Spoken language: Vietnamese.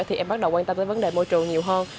thì em bắt đầu quan tâm tới vấn đề môi trường nhiều hơn